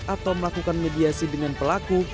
atau melakukan mediasi dengan pelaku